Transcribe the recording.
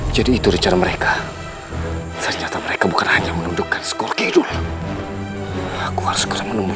jadi itu rencana mereka ternyata mereka bukan hanya menundukkan skor kidul aku harus menemukan